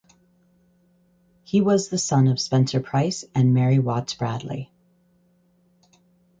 He was the son of Spencer Price and Mary Watts Bradley.